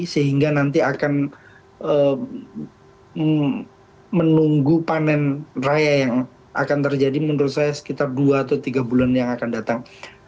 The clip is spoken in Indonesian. sehingga nanti akan menunggu panen raya yang akan terjadi menurut saya sekitar dua atau tiga bulan yang akan datang